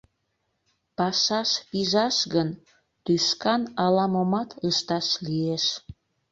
Пашаш пижаш гын, тӱшкан ала-момат ышташ лиеш.